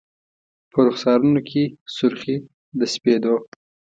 په رخسارونو کي سر خې د سپید و